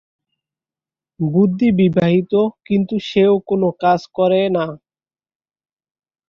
বুদ্ধি বিবাহিত কিন্তু সেও কোন কাজ করেনা।